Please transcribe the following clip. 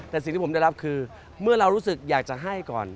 แต่สิ่งที่ผมได้รับคือเมื่อเรารู้สึกอยากจะให้ก่อน